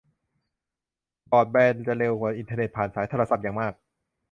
บรอดแบนด์จะเร็วกว่าอินเทอร์เน็ตผ่านสายโทรศัพท์อย่างมาก